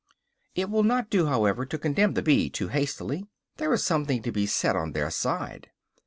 It will not do, however, to condemn the bees too hastily; there is something to be said on their side.